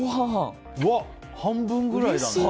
半分ぐらいだね。